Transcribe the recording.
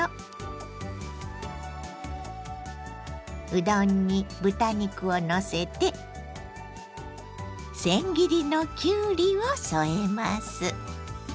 うどんに豚肉をのせてせん切りのきゅうりを添えます。